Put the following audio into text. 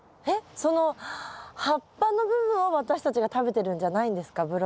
えっその葉っぱの部分を私たちが食べてるんじゃないんですか？